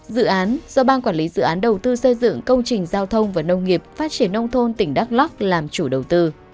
dự án do ban quản lý dự án đầu tư xây dựng công trình giao thông và nông nghiệp phát triển nông thôn tỉnh đắk lóc làm chủ đầu tư